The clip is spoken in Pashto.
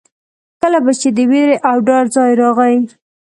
کله به چې د وېرې او ډار ځای راغی.